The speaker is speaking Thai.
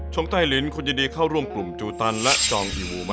งใต้ลิ้นคนยินดีเข้าร่วมกลุ่มจูตันและจองอีมูมะ